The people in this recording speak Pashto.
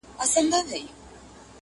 o د بل کټ تر نيمي شپې دئ٫